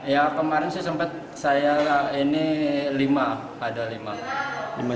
ya kemarin sih sempat saya ini lima ada lima